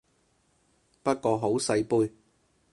不過好細杯